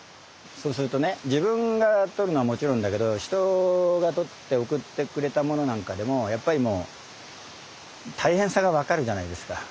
そうするとね自分が採るのはもちろんだけど人が採って送ってくれたものなんかでもやっぱりもう大変さがわかるじゃないですか。